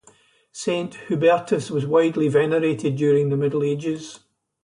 Saint Hubertus was widely venerated during the Middle Ages.